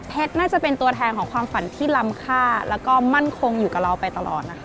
น่าจะเป็นตัวแทนของความฝันที่ลำค่าแล้วก็มั่นคงอยู่กับเราไปตลอดนะคะ